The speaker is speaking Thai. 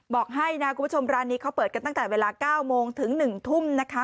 บอกให้นะคุณผู้ชมร้านนี้เขาเปิดกันตั้งแต่เวลา๙โมงถึง๑ทุ่มนะคะ